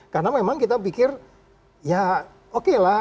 karena memang kita pikir ya okelah